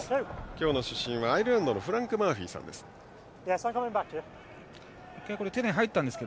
今日の主審はアイルランドのフランク・マーフィーさんです。